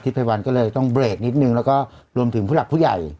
ภัยวันก็เลยต้องเบรกนิดนึงแล้วก็รวมถึงผู้หลักผู้ใหญ่